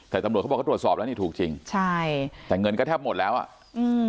แต่ตำรวจเขาบอกเขาตรวจสอบแล้วนี่ถูกจริงใช่แต่เงินก็แทบหมดแล้วอ่ะอืม